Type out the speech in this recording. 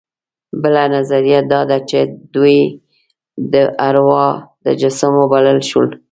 بله نظریه دا ده چې دوی د اروا تجسم وبلل شول.